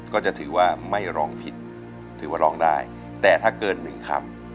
ก็จะถือว่าไม่ร้องผิดถือว่าร้องได้แต่ถ้าเกินหนึ่งคำ